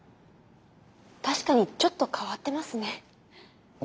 確かにちょっと変わってますね。